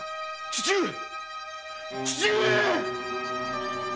父上！